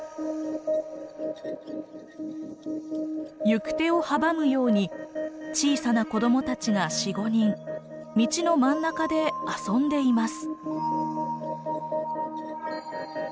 行く手を阻むように小さな子どもたちが４５人道の真ん中で遊んでいます。